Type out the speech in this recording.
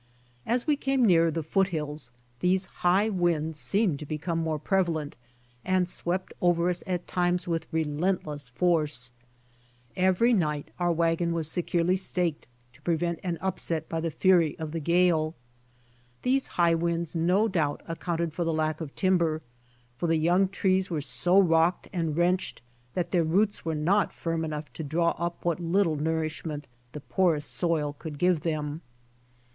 As we came nearer the foothills these high winds seemed to become more prevalent and swept over us at times with relentless force. Every night our \^agon Avas securely staked to prevent an upset by the fury of the gale. These high winds no doubt accounted for the lack of timber, for the young trees were so rocked and wrenched that their roots were not firm enough to draw up what little nourishment the porous soil could give them.